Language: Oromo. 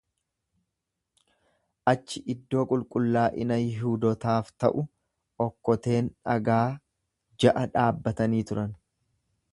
Achi iddoo qulqullaa'ina Yihudootaaf ta'u, okkoteen dhagaa ja'a dhaabbatanii turan.